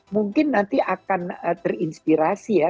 mungkin nanti akan terinspirasi ya